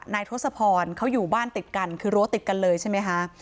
ทศพรเขาอยู่บ้านติดกันคือรั้วติดกันเลยใช่ไหมคะ